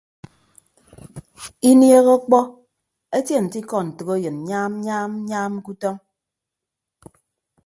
Inieehe ọkpọ etie nte ikọ ntәkeyịn nyaam nyaam nyaam ke utọñ.